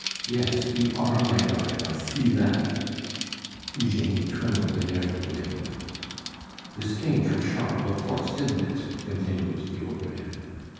Yes, you are my daughter, I see that " Eugenie trembled in every limb. "This came from Charles, of course, didn't it?" continued the old man.